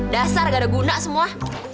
dasar gak ada guna semua